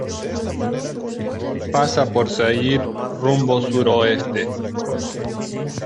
pasa por seguir rumbo suroeste.